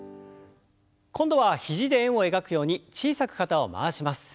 今度は肘で円を描くように小さく肩を回します。